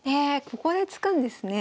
ここで突くんですね。